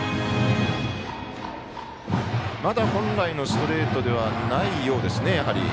まだ本来のストレートではないようですね。